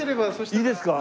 いいですか？